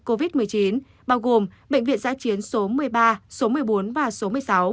covid một mươi chín bao gồm bệnh viện giã chiến số một mươi ba số một mươi bốn và số một mươi sáu